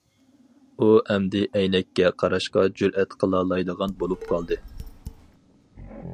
ئۇ ئەمدى ئەينەككە قاراشقا جۈرئەت قىلالمايدىغان بولۇپ قالدى.